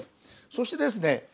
そしてですね